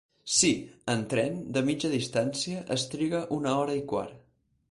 Sí, en tren, de mitja distància, es triga una hora i quart.